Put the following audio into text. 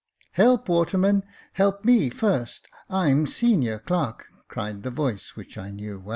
" Help, waterman , help me first ; I'm senior clerk," cried a voice which I well knew.